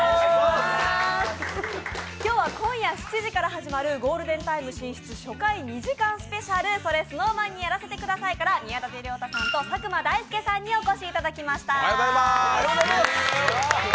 今日は今夜７時から始まるゴールデンタイム進出、初回２時間スペシャル「それＳｎｏｗＭａｎにやらせて下さい」から宮舘涼太さんと、佐久間大介さんにお越しいただきました。